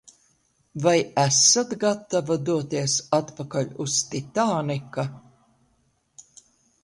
Vai esat gatava doties atpakaļ uz Titānika?